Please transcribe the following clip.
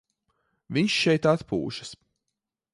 Viņš šeit atpūšas.